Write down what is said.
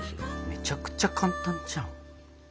めちゃくちゃ簡単じゃん。